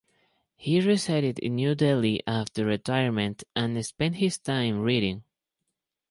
He resided in New Delhi after retirement and spent his time reading.